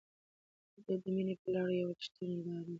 دی د مینې په لار کې یو ریښتینی لاروی دی.